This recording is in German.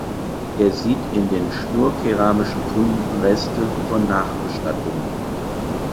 Er sieht in den schnurkeramischen Funden Reste von Nachbestattungen.